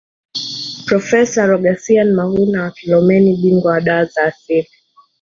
Profesa Rogasian Mahuna wa Kilomeni bingwa wa dawa za asili